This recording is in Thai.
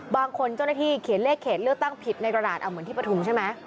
บางคนเจ้าหน้าที่เขียนเลขเขตเลือกตั้งผิดในกระดาษเหมือนที่ปฐุมใช่ไหม